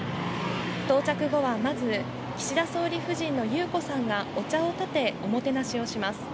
到着後はまず、岸田総理夫人の裕子さんがお茶をたて、おもてなしをします。